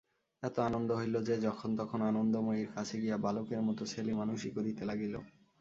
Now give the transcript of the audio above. এত আনন্দ হইল যে, যখন-তখন আনন্দময়ীর কাছে গিয়া বালকের মতো ছেলেমানুষি করিতে লাগিল।